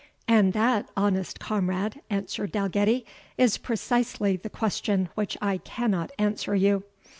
"And that, honest comrade," answered Dalgetty, "is precisely the question which I cannot answer you.